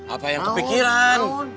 apa yang kepikiran